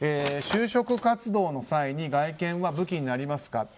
就職活動の際に外見は武器になりますか？